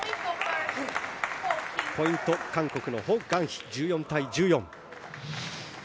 ポイント、韓国のホ・グァンヒ１４対１４。